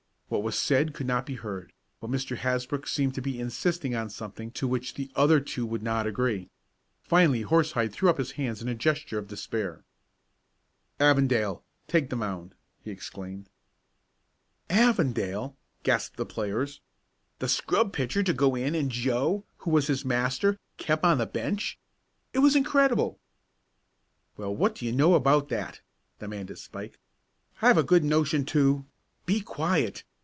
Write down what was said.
What was said could not be heard, but Mr. Hasbrook seemed to be insisting on something to which the other two would not agree. Finally Horsehide threw up his hands in a gesture of despair. "Avondale, take the mound!" he exclaimed. "Avondale!" gasped the players. The scrub pitcher to go in and Joe, who was his master, kept on the bench? It was incredible. "Well, what do you know about that?" demanded Spike. "I've a good notion to " "Be quiet!"